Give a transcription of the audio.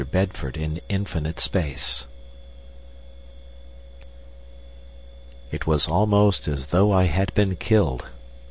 Bedford in Infinite Space It was almost as though I had been killed.